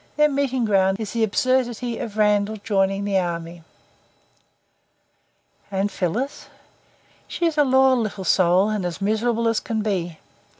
Their meeting ground is the absurdity of Randall joining the army." "And Phyllis?" "She is a loyal little soul and as miserable as can be.